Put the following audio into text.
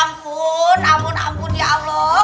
ampun ampun ya allah